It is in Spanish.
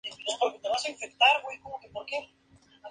La telenovela obtuvo altos índices de audiencia en Venezuela.